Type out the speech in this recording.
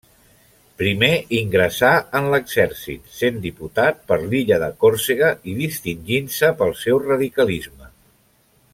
Primer ingressà en l'exèrcit, sent diputat per l'illa de Còrsega i distingint-se pel seu radicalisme.